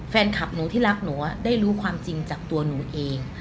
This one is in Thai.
แฟนคลับหนูที่รักหนูได้รู้ความจริงจากตัวหนูเอง